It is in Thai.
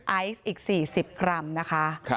ไอซ์อีก๔๐กรัมนะคะ